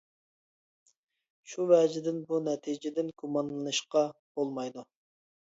شۇ ۋەجىدىن بۇ نەتىجىدىن گۇمانلىنىشقا بولمايدۇ.